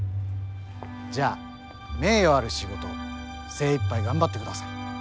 じゃあ名誉ある仕事を精いっぱい頑張ってください。